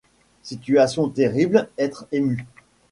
Situation terrible! être ému.